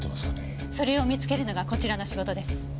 それを見つけるのがこちらの仕事です。